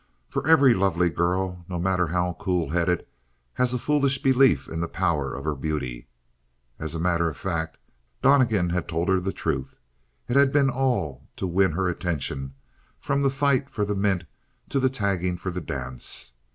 For every lovely girl, no matter how cool headed, has a foolish belief in the power of her beauty. As a matter of fact Donnegan had told her the truth. It had all been to win her attention, from the fight for the mint to the tagging for the dance.